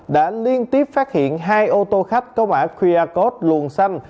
đã liên tiếp phát hiện hai ô tô khách có mã qr code luồn xanh